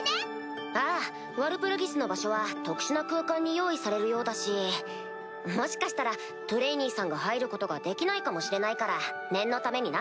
⁉ああワルプルギスの場所は特殊な空間に用意されるようだしもしかしたらトレイニーさんが入ることができないかもしれないから念のためにな。